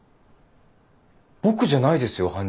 僕じゃないですよ犯人。